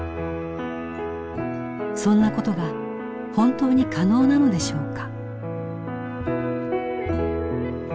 そんなことが本当に可能なのでしょうか？